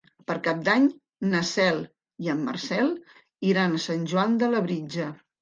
Per Cap d'Any na Cel i en Marcel iran a Sant Joan de Labritja.